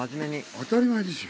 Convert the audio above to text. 当たり前でしょ。